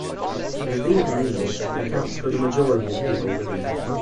The Vietnamese accounts for the majority of people living there.